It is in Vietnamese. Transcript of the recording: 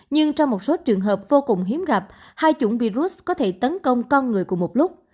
nhưng trong một số trường hợp vô cùng hiếm gặp hai chủng virus có thể tấn công con người cùng một lúc